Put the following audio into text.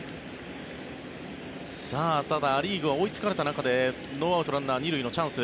ただ、ア・リーグは追いつかれた中でノーアウトランナー２塁のチャンス。